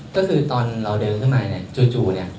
ก็คือตอนเราเดินข้างในเนี่ยจู่เนี่ย